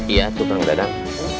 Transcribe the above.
iya tukang dadang